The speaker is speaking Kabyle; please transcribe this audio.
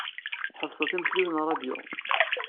Tḥebseḍ timesliwt n ṛṛadyu.